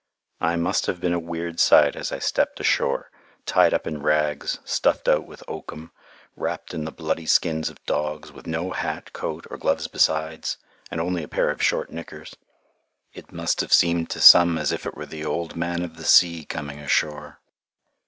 I must have been a weird sight as I stepped ashore, tied up in rags, stuffed out with oakum, wrapped in the bloody skins of dogs, with no hat, coat, or gloves besides, and only a pair of short knickers. It must have seemed to some as if it were the old man of the sea coming ashore.